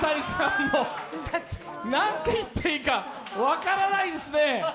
何て言っていいか、分からないですね。